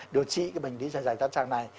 điều trị cái bệnh lý dạy dạy tác trang này